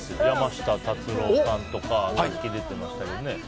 山下達郎さんとかさっき出てましたけど